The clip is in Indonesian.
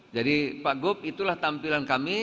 jadi pak gop itulah tampilan kami